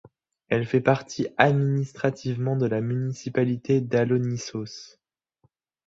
Elle fait partie administrativement de la municipalité d'Alonissos.